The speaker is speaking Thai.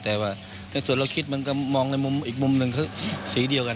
แต่ว่าในส่วนเราคิดมันก็มองในมุมอีกมุมหนึ่งคือสีเดียวกัน